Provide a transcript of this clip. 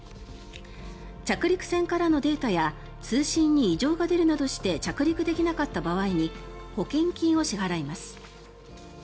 着陸船からのデータや通信に異常が出るなどして着陸できなかった場合に保険金を支払います。